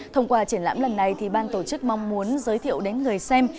thông qua triển lãm lần này ban tổ chức mong muốn giới thiệu đến người xem